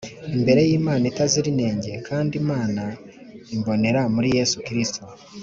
imbere y'Imana itazira inenge kandi Imana imbonera muri Yesu Kristo.